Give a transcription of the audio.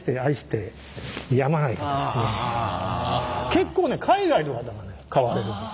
結構ね海外の方がね買われるんです。